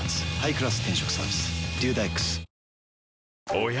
おや？